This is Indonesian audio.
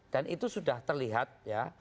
dan itu sudah terlihat ya